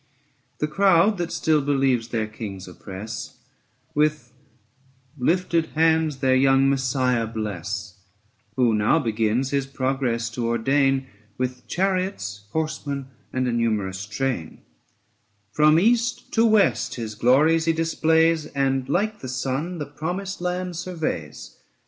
The crowd that still believe their kings oppress With lifted hands their young Messiah bless: Who now begins his progress to ordain With chariots, horsemen, and a numerous train; 730 From east to west his glories he displays And, like the sun, the promised land surveys.